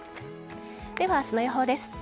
では、明日の予報です。